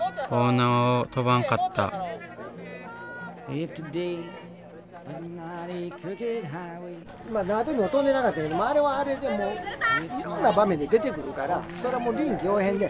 縄跳びも跳んでなかったけどあれはあれでいろんな場面で出てくるからそれはもう臨機応変で。